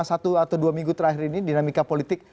satu atau dua minggu terakhir ini dinamika politik